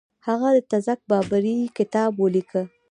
هغه د تزک بابري کتاب ولیکه.